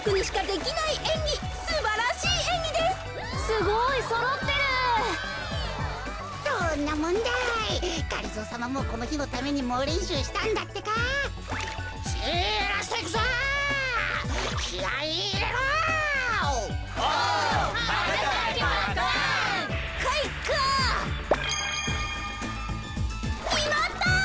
きまった！